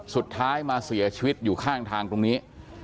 สุดท้ายมาเสียชีวิตอยู่ข้างทางตรงนี้